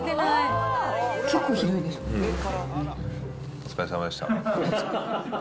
お疲れさまでした。